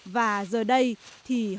và giờ đây thì hầu hết